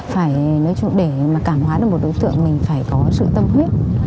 phải nói để mà cảm hóa được một đối tượng mình phải có sự tâm huyết